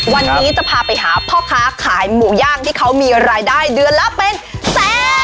วันนี้จะพาไปหาพ่อค้าขายหมูย่างที่เขามีรายได้เดือนละเป็นแสน